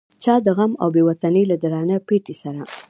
چا د غم او بې وطنۍ له درانه پیټي سره.